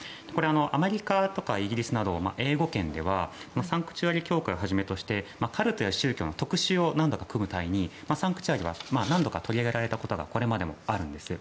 アメリカとかイギリスなど英語圏ではサンクチュアリ教会をはじめとしてカルトや宗教の特集を組む時にサンクチュアリ教会は何度か取り上げられたことがこれまでもあるんですよ。